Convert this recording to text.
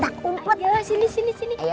aku mau main